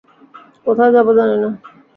কোথায় যাবো, জানি না।